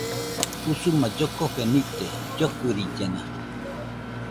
Usuma llokofe nite, llokɨrillena